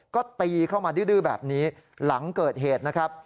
ก็ตีเข้ามาดื้อแบบนี้หลังเกิดเหตุนะครับ